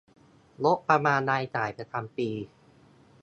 งบประมาณรายจ่ายประจำปี